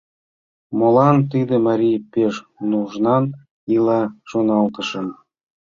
«Молан тиде марий пеш нужнан ила? — шоналтышым.